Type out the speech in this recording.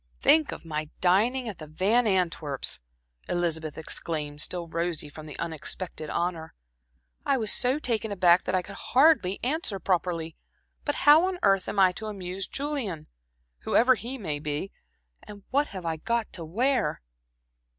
"Think of my dining at the Van Antwerps!" Elizabeth exclaimed, still rosy from the unexpected honor. "I was so taken aback that I could hardly answer properly. But how on earth am I to amuse Julian whoever he may be, and what have I got to wear?"